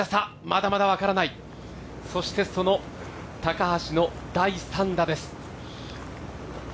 まだまだ分からない、そしてその高橋の第３打です。